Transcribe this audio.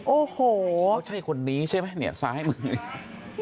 โอ้โหใช่คนนี้ใช่ไหมเนี่ยซ้ายมือ